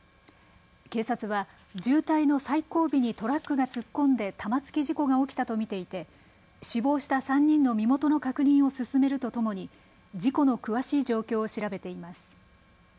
警察は渋滞の最後尾にトラックが突っ込んで玉突き事故が起きたと見ていて、死亡した３人の身元の確認を進めるとともに事故の詳しい状況を調べています。